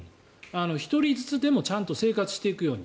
１人ずつでもちゃんと生活していくように。